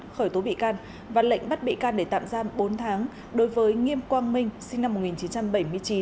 khởi tố bị can và lệnh bắt bị can để tạm giam bốn tháng đối với nghiêm quang minh sinh năm một nghìn chín trăm bảy mươi chín